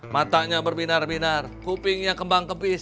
matanya berbinar binar kupingnya kembang kepis